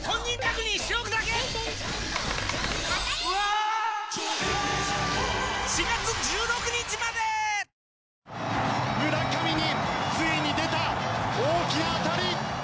あ村上についに出た大きな当たり！